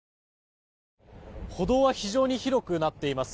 歩道は非常に広くなっています。